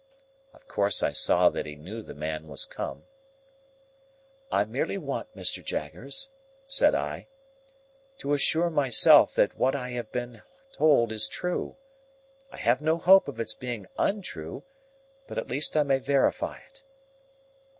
Of course I saw that he knew the man was come. "I merely want, Mr. Jaggers," said I, "to assure myself that what I have been told is true. I have no hope of its being untrue, but at least I may verify it."